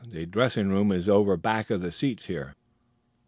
"The dressing room is over back of the seats here."